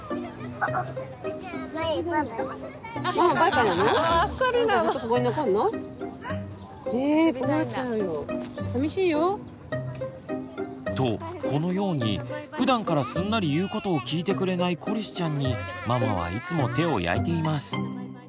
ママバイバイする？とこのようにふだんからすんなり言うことを聞いてくれないコリスちゃんにママはいつも手を焼いています。